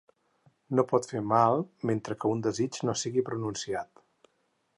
No pot fer mal mentre que un desig no sigui pronunciat.